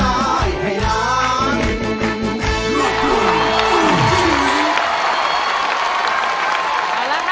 โอ้แยร่ง